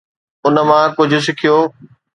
ان مان ڪجهه سکيو.